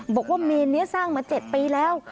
บอกว่าเมนนี้สร้างมา๗ปีแล้ว